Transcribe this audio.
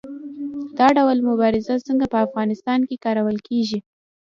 دا ډول مبارزه څنګه په افغانستان کې کارول کیږي؟